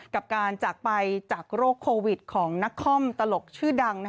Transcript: กับการจากไปจากโรคโควิดของนักคอมตลกชื่อดัง